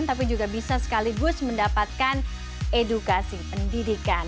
tapi juga bisa sekaligus mendapatkan edukasi pendidikan